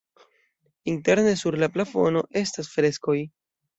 Interne sur la plafono estas freskoj.